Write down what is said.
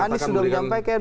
pak anies sudah menyampaikan